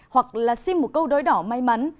hoặc là xin một câu đối đỏ may mắn